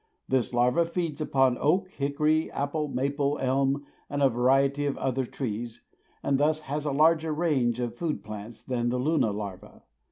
This larva feeds upon oak, hickory, apple, maple, elm and a variety of other trees, and thus has a larger range of food plants than the Luna larva.